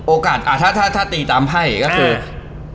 อ๋อโอกาสถ้าตีตามไพ่ก็คือ